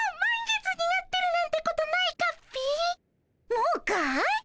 もうかい？